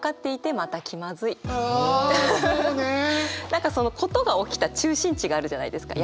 何かその事が起きた中心地があるじゃないですか。